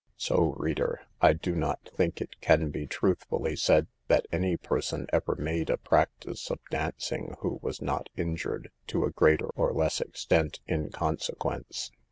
So, reader, I do not think it can be truthfully said that any person ever made a practice of danc ing who was not injured, to a greater or less extent, in consequence.